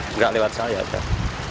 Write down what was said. tidak lewat saya sudah